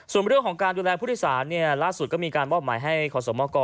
ส่วนเรื่องของการดูแลพฤติศาลล่าสุดก็มีการบ้อมหมายให้ขสมก